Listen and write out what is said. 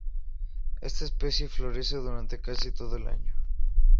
Esta especie florece durante casi todo el año.